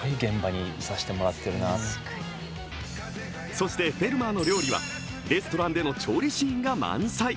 そして「フェルマーの料理」はレストランでの調理シーンが満載。